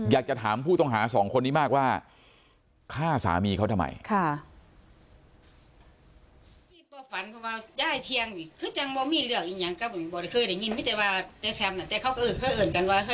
อยากจะถามผู้ต้องหาสองคนนี้มากว่าฆ่าสามีเขาทำไม